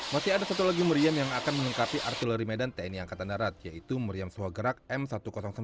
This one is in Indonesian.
masih ada satu lagi meriam yang akan melengkapi artileri medan tni angkatan darat yaitu meriam swagerak m satu ratus sembilan